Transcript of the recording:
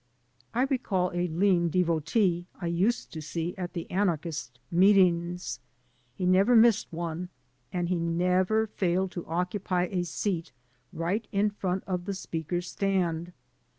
I recall a lean devotee I used to see at the anarchist meetings. He never missed one, and he never failed to occupy a seat right in front of the speaker's stand.